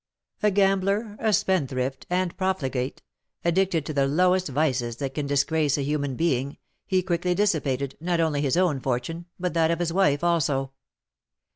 A gambler, a spendthrift, and profligate, addicted to the lowest vices that can disgrace a human being, he quickly dissipated, not only his own fortune, but that of his wife also.